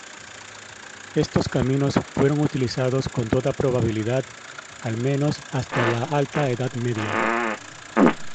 Estos caminos fueron utilizados con toda probabilidad, al menos hasta la Alta Edad Media.